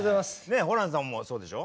ホランさんもそうでしょ？